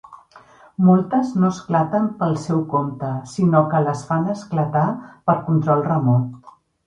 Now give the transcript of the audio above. Moltes no esclaten pel seu compte, sinó que les fan esclatar per control remot.